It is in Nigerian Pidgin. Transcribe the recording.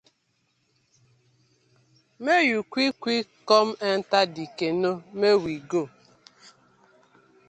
Mek yu quick quick kom enter dey canoe mek we go.